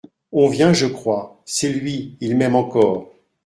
On vient, je crois ; c’est lui ; il m’aime encore.